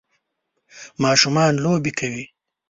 ماشومان لوبی کوی.